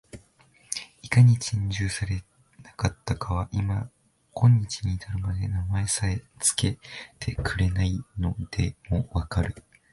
いかに珍重されなかったかは、今日に至るまで名前さえつけてくれないのでも分かる